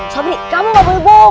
sobri kamu enggak boleh bohong